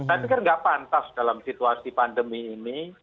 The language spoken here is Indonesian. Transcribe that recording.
saya pikir nggak pantas dalam situasi pandemi ini